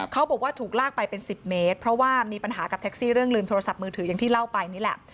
เขาบอกว่าถูกลากไปเป็น๑๐เมตรเพราะว่ามีปัญหากับแท็กซี่เรื่องลืมโทรศัพท์มือถืออย่างที่เล่าไปนี่แหละ